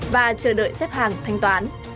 và chờ đợi xếp hàng thanh toán